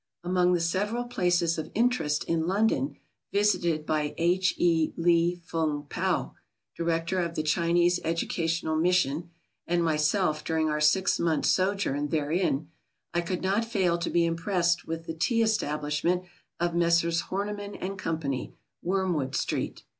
Among the several places of interest in London, visited by H. E. Li Fung Pao (Director of the Chinese Educational Mission) and myself during our six months' sojourn therein, I could not fail to be impressed with the Tea Establishment of Messrs. Horniman and Co., Wormwood Street.